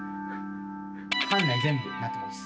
館内全部鳴ってます。